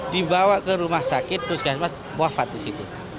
dibawa ke rumah sakit terus kemas muafat di situ